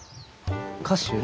歌手？